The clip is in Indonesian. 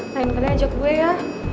lain kali ajak gue ya